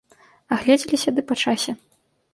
Агледзеліся, ды па часе.